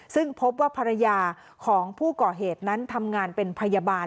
ซึ่งพบว่าภรรยาของผู้ก่อเหตุนั้นทำงานเป็นพยาบาล